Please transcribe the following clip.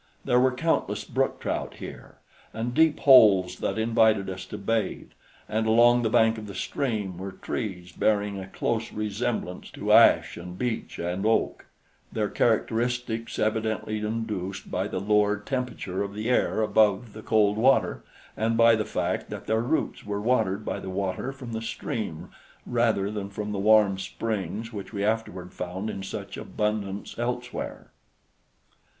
There were countless brook trout here, and deep holes that invited us to bathe, and along the bank of the stream were trees bearing a close resemblance to ash and beech and oak, their characteristics evidently induced by the lower temperature of the air above the cold water and by the fact that their roots were watered by the water from the stream rather than from the warm springs which we afterward found in such abundance elsewhere.